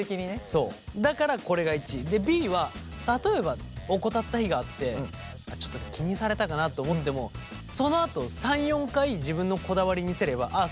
そうだからこれが１位。でＢは例えば怠った日があってちょっと気にされたかなと思ってもそのあと３４回自分のこだわり見せればあっ